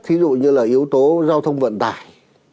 ví dụ như là yếu tố giao thông vận tải